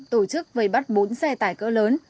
tổ chức vây bắt bốn xe tải cỡ lớn